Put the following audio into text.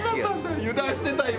油断してた、今。